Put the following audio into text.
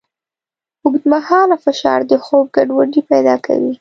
اوږدمهاله فشار د خوب ګډوډۍ پیدا کوي.